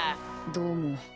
どうも。